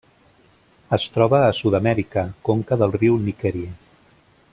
Es troba a Sud-amèrica: conca del riu Nickerie.